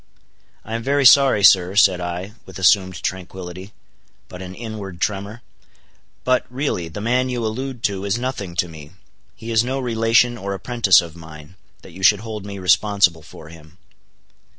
"I am very sorry, sir," said I, with assumed tranquility, but an inward tremor, "but, really, the man you allude to is nothing to me—he is no relation or apprentice of mine, that you should hold me responsible for him."